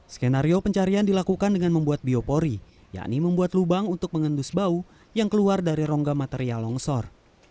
skenario pencarian dilakukan dengan membuat biopori yakni membuat lubang untuk mengendus bau yang keluar dari rongga material longsor